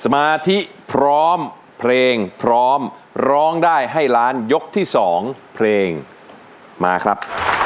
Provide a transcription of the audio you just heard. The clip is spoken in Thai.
มาธิพร้อมเพลงพร้อมร้องได้ให้ล้านยกที่๒เพลงมาครับ